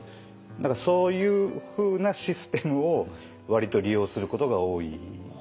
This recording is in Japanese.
だからそういうふうなシステムを割と利用することが多いですね。